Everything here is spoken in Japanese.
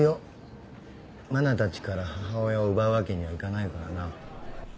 真菜たちから母親を奪うわけにはいかないからな。